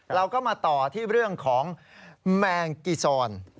เราก็มาต่อที่เรื่องของแมงกีซอน